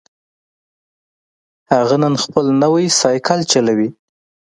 هغه نن خپل نوی سایکل چلوي